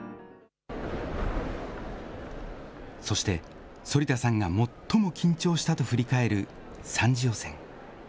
そして、反田さんが最も緊張したと振り返る３次予選。